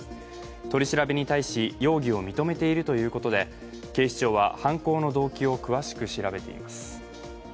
取り調べに対し、容疑を認めているということで警視庁は犯行の動機を詳しく調べています。